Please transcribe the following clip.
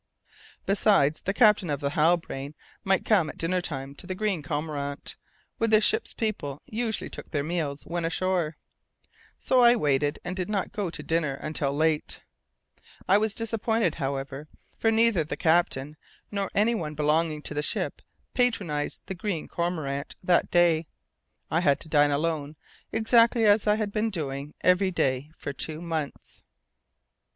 Besides, the captain of the Halbrane might come at dinner time to the Green Cormorant, where the ship's people usually took their meals when ashore. So I waited, and did not go to dinner until late. I was disappointed, however, for neither the captain nor anyone belonging to the ship patronized the Green Cormorant that day. I had to dine alone, exactly as I had been doing every day for two months.